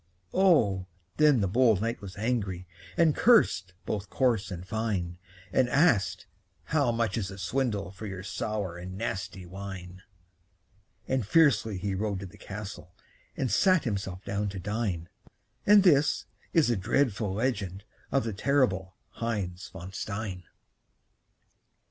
Oh, then the bold knight was angry, And cursed both coarse and fine; And asked, "How much is the swindle For your sour and nasty wine?" And fiercely he rode to the castle And sat himself down to dine; And this is the dreadful legend Of the terrible Heinz von Stein.